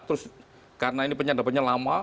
terus karena ini penyadapannya lama